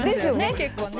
結構ね。